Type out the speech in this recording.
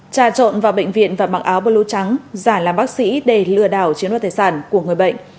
trà trộn vào bệnh viện và mặc áo bơ lô trắng giả làm bác sĩ để lừa đảo chiến đoàn tài sản của người bệnh